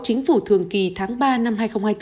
chính phủ thường kỳ tháng ba năm hai nghìn hai mươi bốn